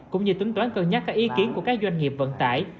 cũng như tính toán cân nhắc các ý kiến của các doanh nghiệp vận tải